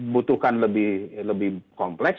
butuhkan lebih kompleks